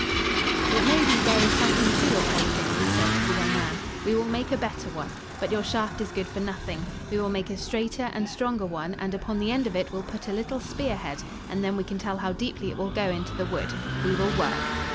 "It may be there is something to your plaything," he said to the young man. "We will make a better one. But your shaft is good for nothing. We will make a straighter and stronger one and upon the end of it will put a little spearhead, and then we can tell how deeply it will go into the wood. We will work."